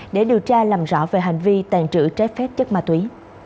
để điều tra làm rõ về hành vi tàn trữ trái phép chất ma túy